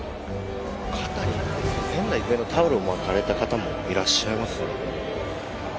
肩に仙台育英のタオルを巻いた人もいらっしゃいます。